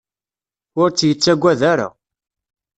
Ur tt-yettagad ara.